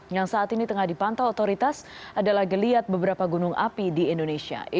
yang saat ini tengah dipantau otoritas adalah geliat beberapa gunung api di indonesia